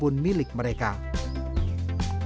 sampai jumpa di video selanjutnya